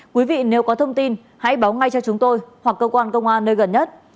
quý vị nếu có thông tin hãy báo ngay cho chúng tôi hoặc cơ quan công an nơi gần nhất